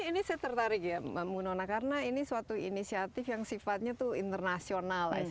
ini saya tertarik ya mbak munona karena ini suatu inisiatif yang sifatnya itu internasional